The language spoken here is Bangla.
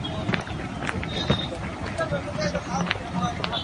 এই মুক্তি হইতে প্রাপ্ত আনন্দ ও নিত্য শান্তি ধর্মের উচ্চতম ধারণা।